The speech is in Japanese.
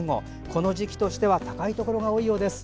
この時期としては高いところが多いようです。